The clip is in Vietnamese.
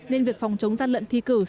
nên việc phòng chống gian lận thi cổng